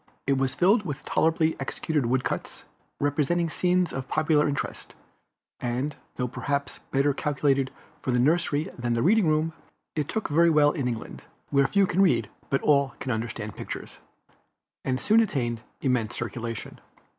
It was filled with tolerably executed wood cuts, representing scenes of popular interest; and though perhaps better calculated for the nursery than the reading room, it took very well in England, where few can read but all can understand pictures, and soon attained immense circulation.